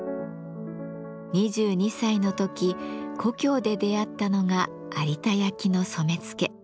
２２歳の時故郷で出会ったのが有田焼の染付。